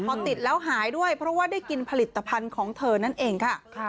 พอติดแล้วหายด้วยเพราะว่าได้กินผลิตภัณฑ์ของเธอนั่นเองค่ะ